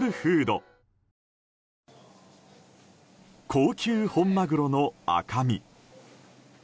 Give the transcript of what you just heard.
高級本マグロの赤身。